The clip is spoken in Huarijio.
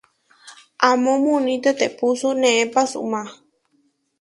Amó muní tetehpúso neé pasumá.